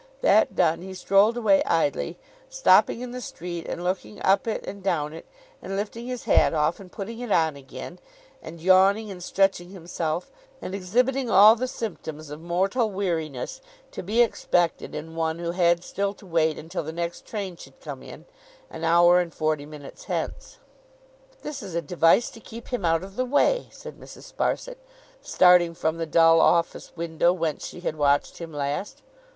That done, he strolled away idly, stopping in the street and looking up it and down it, and lifting his hat off and putting it on again, and yawning and stretching himself, and exhibiting all the symptoms of mortal weariness to be expected in one who had still to wait until the next train should come in, an hour and forty minutes hence. 'This is a device to keep him out of the way,' said Mrs. Sparsit, starting from the dull office window whence she had watched him last.